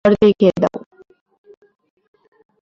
ভদ্রলোককে তাঁর ঘর দেখিয়ে দাও!